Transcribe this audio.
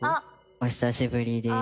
お久しぶりです。